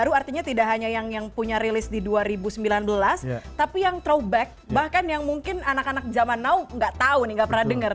baru artinya tidak hanya yang punya rilis di dua ribu sembilan belas tapi yang trowback bahkan yang mungkin anak anak zaman now nggak tahu nih gak pernah dengar